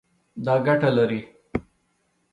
دا ګټه لري